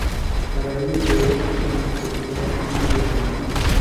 Para ello creó en su propiedad un vivero de árboles.